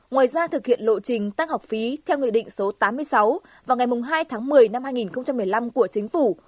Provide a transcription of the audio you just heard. ngoài ra thực hiện lộ trình tăng học phí theo nghị định số tám mươi sáu vào ngày hai tháng một mươi năm hai nghìn một mươi năm của chính phủ